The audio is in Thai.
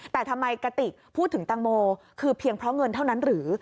แต่ทำไมกติกพูดถึงตังโมคือเพียงเพราะเงินเท่านั้นหรือ